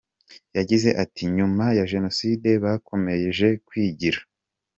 Yagize ati“Nyuma ya Jenoside bakomeje kwigira.